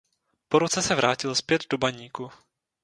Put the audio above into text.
Po roce se vrátil zpět do Baníku.